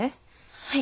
はい。